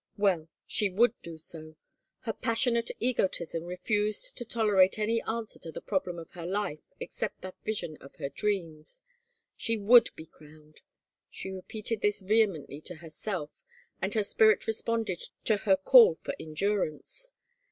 Well, she would do sol Her passionate egotism refused to tolerate any answer to the problem of her life except that vision of her dreams. She would be crowned. She repeated this vehemently to herself and her spirit responded to her call for endurance.